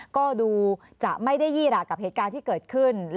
ก็ดูจะไม่ได้ยี่หละกับเหตุการณ์ที่เกิดขึ้น